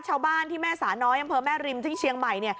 ชาวบ้านที่แม่สาน้อยอำเภอแม่ริมที่เชียงใหม่